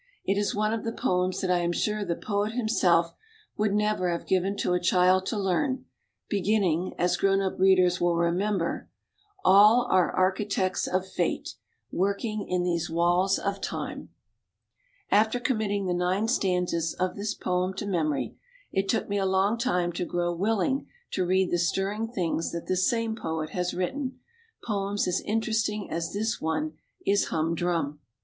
It is one of the poems that I am sure the poet himself would never have given to a child to learn, beginning, as grown up readers will remember: "All are Architects of Fate Working in these walls of Time." After committing the nine stanzas of this poem to memory, it took me a long time to grow willing to read the stirring things that the same poet has written, poems as interesting as this one is humdrum.